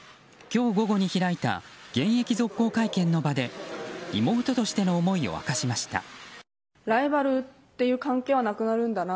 今日午後に開いた現役続行会見の場で妹としての思いを明かしました。